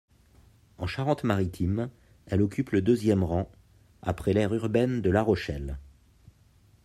En Charente-Maritime, elle occupe le deuxième rang, après l'aire urbaine de La Rochelle.